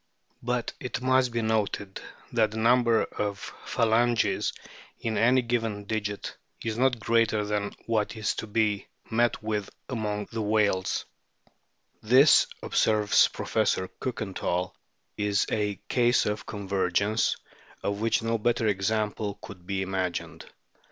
But it must be noted that the number of phalanges THE EXTERNAL FORM OF WHALES 21 in any given digit is not greater than what is to be met with among the whales. "This," observes Prof. Kiikenthal, "is a case of convergence, of which no better example could be imagined."